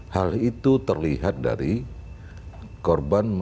hal itu terlihat dari korban